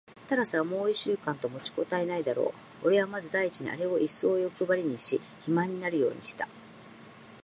タラスはもう一週間と持ちこたえないだろう。おれはまず第一にあれをいっそうよくばりにし、肥満になるようにした。